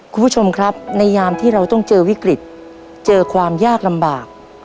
คุณผู้ชมครับในยามที่เราต้องเจอวิกฤตเจอความยากลำบาก